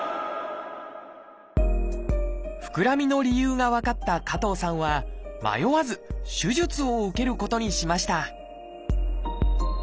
ふくらみの理由が分かった加藤さんは迷わず手術を受けることにしました